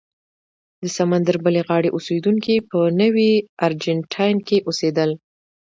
د سمندر بلې غاړې اوسېدونکي په نوي ارجنټاین کې اوسېدل.